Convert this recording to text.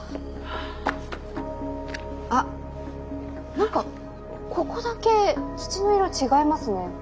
何かここだけ土の色違いますね。